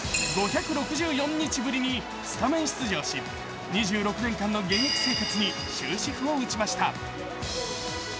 ５６４日ぶりにスタメン出場し、２６年間の現役生活に終止符を打ちました。